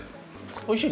おいしい。